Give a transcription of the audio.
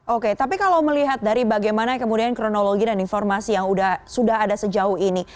oke tapi kalau melihat dari bagaimana kemudian kronologi dan informasi yang sudah ada sejauh ini